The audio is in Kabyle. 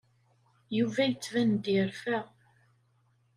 Yuba yettban-d yerfa.